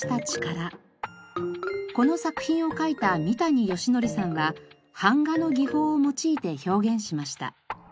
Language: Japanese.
この作品を描いた三谷佳典さんは版画の技法を用いて表現しました。